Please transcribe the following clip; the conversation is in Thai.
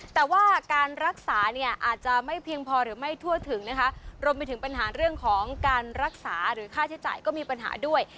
แต่ว่าการรักษาเนี่ยอาจจะไม่เพียงพอหรือไม่ทั่วถึงนะคะรวมไปถึงปัญหาเรื่องของการรักษาหรือค่าใช้จ่ายก็มีปัญหาด้วย